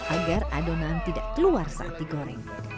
agar adonan tidak keluar saat digoreng